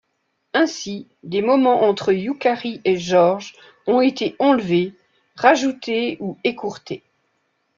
Ainsi, des moments entre Yukari et Georges ont été enlevés, rajoutés ou écourtés.